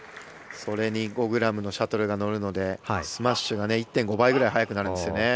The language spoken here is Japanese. それに５ｇのシャトルが乗るのでスマッシュが１．５倍くらい速くなるんですね。